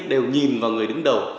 đều nhìn vào người đứng đầu